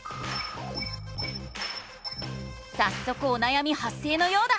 さっそくおなやみはっ生のようだ。